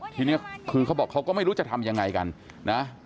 ทีนี้เขาบอกว่าเขาก็ไม่รู้จะทำอย่างไรกันนะ